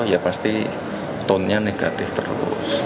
saya berpikir negatif terus